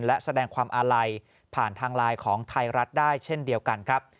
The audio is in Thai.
และแสดงความอาลัยผ่านทางไลน์ของไทยรัฐได้เช่นเดียวกันครับ